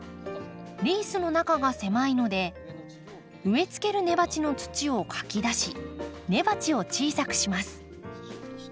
リースの中が狭いので植えつける根鉢の土をかき出し根鉢を小さくします。